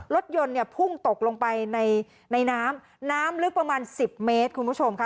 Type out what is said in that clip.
รถยนต์เนี่ยพุ่งตกลงไปในน้ำน้ำลึกประมาณ๑๐เมตรคุณผู้ชมค่ะ